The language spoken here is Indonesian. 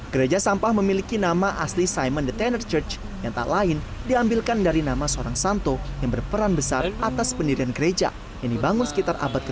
gereja sampah memiliki nama asli simon the tender charge yang tak lain diambilkan dari nama seorang santo yang berperan besar atas pendirian gereja yang dibangun sekitar abad ke tujuh puluh